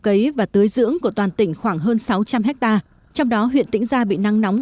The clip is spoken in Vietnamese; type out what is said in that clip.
cấy và tưới dưỡng của toàn tỉnh khoảng hơn sáu trăm linh hectare trong đó huyện tĩnh gia bị nắng nóng